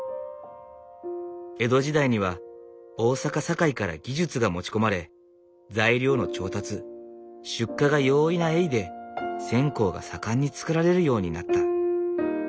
江戸時代には大坂・堺から技術が持ち込まれ材料の調達出荷が容易な江井で線香が盛んに作られるようになった。